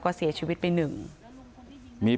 โปรดติดตามต่อไป